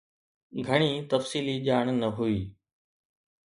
گهڻي تفصيلي ڄاڻ نه هئي.